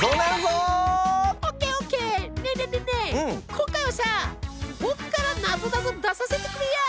今回はさボクからなぞなぞ出させてくれや。